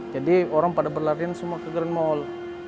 jadi orang pada berlarian semua ke grand mall